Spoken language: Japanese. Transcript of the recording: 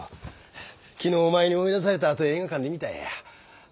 昨日お前に追い出されたあと映画館で見たんや。